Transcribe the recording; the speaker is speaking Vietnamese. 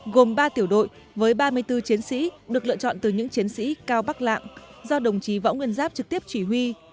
gồm ba tiểu đội với ba mươi bốn chiến sĩ được lựa chọn từ những chiến sĩ cao bắc lạng do đồng chí võ nguyên giáp trực tiếp chỉ huy